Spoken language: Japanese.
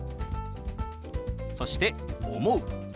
そして「思う」。